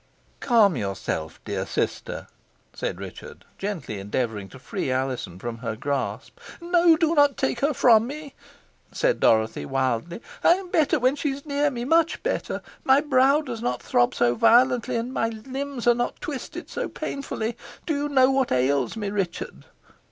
"Calm yourself, dear sister," said Richard, gently endeavouring to free Alizon from her grasp. "No, do not take her from me," said Dorothy, wildly; "I am better when she is near me much better. My brow does not throb so violently, and my limbs are not twisted so painfully. Do you know what ails me, Richard?"